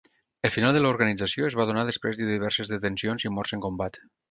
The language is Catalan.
El final de l'organització es va donar després de diverses detencions i morts en combat.